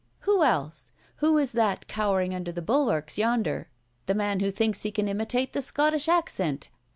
Who else? Who is that cowering under the bulwarks yonder? The man who thinks he can imitate the Scottish accent!